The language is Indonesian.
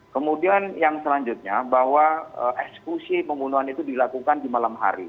kemudian yang selanjutnya bahwa eksekusi pembunuhan itu dilakukan di malam hari